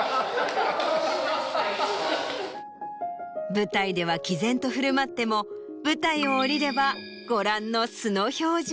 舞台では毅然と振る舞っても舞台を下りればご覧の。